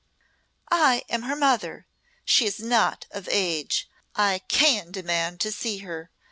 "I am her mother. She is not of age. I can demand to see her.